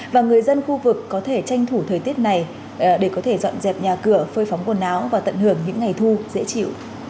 và người dân khu vực có thể tranh thủ thời tiết này để có thể dọn dẹp nhà cửa phơi phóng quần áo và tận hưởng những ngày thu dễ chịu